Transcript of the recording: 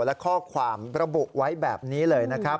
และข้อความระบุไว้แบบนี้เลยนะครับ